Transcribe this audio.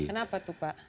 kenapa tuh pak